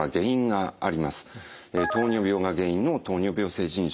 糖尿病が原因の糖尿病性腎症。